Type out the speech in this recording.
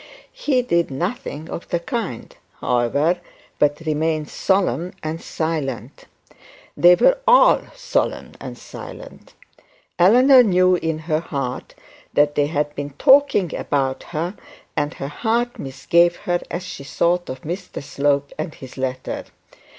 He did nothing of the kind, however, but remained solemn and silent. They were all solemn and silent. Eleanor knew in her heart that they had been talking about her, and her heart misgave her as she thought of Mr Slope and his letter.